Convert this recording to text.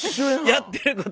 やってること。